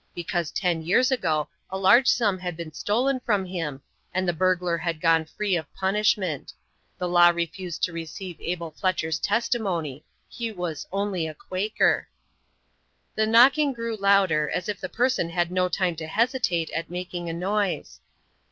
Because ten years ago a large sum had been stolen from him, and the burglar had gone free of punishment. The law refused to receive Abel Fletcher's testimony he was "only a Quaker." The knocking grew louder, as if the person had no time to hesitate at making a noise.